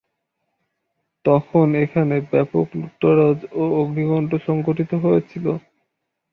তখন এখানে ব্যাপক লুটতরাজ ও অগ্নিকাণ্ড সংঘটিত হয়েছিল।